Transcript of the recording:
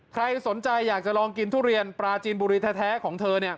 ใครสนใจอยากจะลองกินทุเรียนปลาจีนบุรีแท้ของเธอ